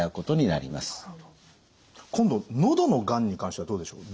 今度喉のがんに関してはどうでしょう？